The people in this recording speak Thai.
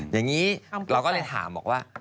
อย่างนี้เราก็เลยถามบอกว่า